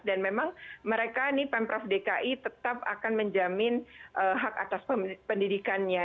dan memang mereka nih pempras dki tetap akan menjamin hak atas pendidikannya